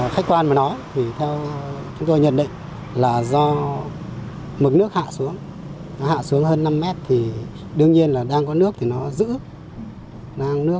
khách quan với nó thì theo chúng tôi nhận định là do mực nước hạ xuống hạ xuống hơn năm mét thì đương nhiên là đang có nước thì nó giữ nước